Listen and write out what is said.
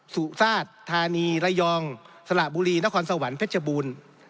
สุราชธานีระยองสระบุรีนครสวรรค์เพชรบูรณ์